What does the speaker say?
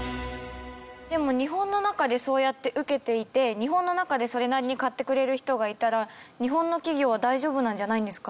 でも日本の中でそうやってウケていて日本の中でそれなりに買ってくれる人がいたら日本の企業は大丈夫なんじゃないんですか？